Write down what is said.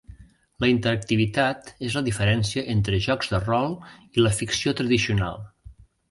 La interactivitat és la diferència entre jocs de rol i la ficció tradicional.